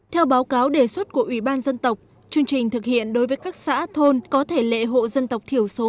theo báo cáo đề xuất của ủy ban dân tộc chương trình thực hiện đối với các xã thôn có thể lệ hộ dân tộc thiểu số